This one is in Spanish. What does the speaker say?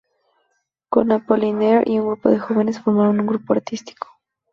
Con Apollinaire y un grupo de jóvenes formaron un grupo artístico.